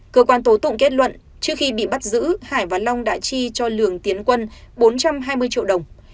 cơ quan tố tụng kết luận trước khi bị bắt giữ hải và long đã chi cho lường tiến quân bốn trăm hai mươi triệu đồng